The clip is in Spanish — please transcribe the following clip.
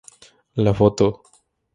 La foto.